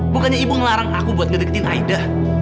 bukannya ibu ngelarang aku buat ngedekin aida